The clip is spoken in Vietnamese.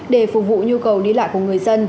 để phục vụ nhu cầu đi lại của người dân